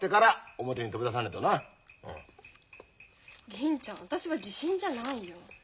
銀ちゃん私は地震じゃないよ。